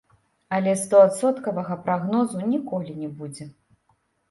Але стоадсоткавага прагнозу ніколі не будзе.